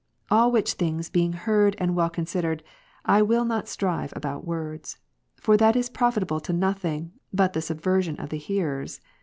All which things being heard and well con sidered, I will not strive about ivords : for that is profitable 2 Tim. to nothing, but the subversion of the hearers.